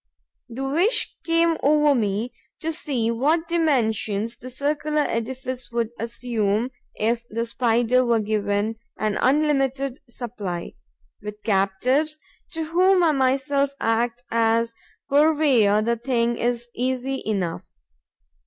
The wish came over me to see what dimensions the circular edifice would assume, if the Spider were given an unlimited supply. With captives to whom I myself act as purveyor the thing is easy enough.